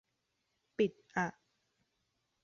ปิดอ่ะ